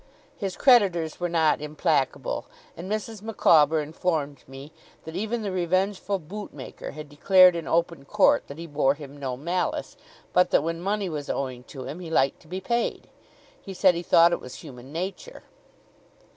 His creditors were not implacable; and Mrs. Micawber informed me that even the revengeful boot maker had declared in open court that he bore him no malice, but that when money was owing to him he liked to be paid. He said he thought it was human nature.